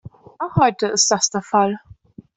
Auch heute ist das der Fall.